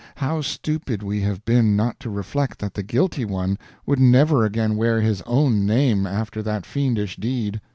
How stupid we have been not to reflect that the guilty one would never again wear his own name after that fiendish deed!